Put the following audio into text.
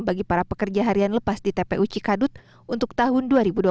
bagi para pekerja harian lepas di tpu cikadut untuk tahun dua ribu dua puluh